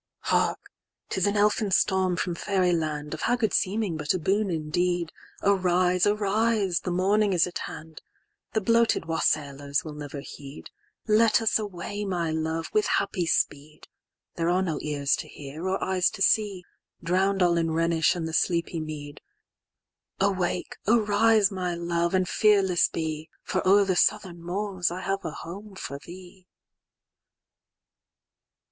XXXIX.'Hark! 'tis an elfin storm from faery land,"Of haggard seeming, but a boon indeed:"Arise—arise! the morning is at hand;—"The bloated wassaillers will never heed:—"Let us away, my love, with happy speed;"There are no ears to hear, or eyes to see,—"Drown'd all in Rhenish and the sleepy mead:"Awake! arise! my love, and fearless be,"For o'er the southern moors I have a home for thee."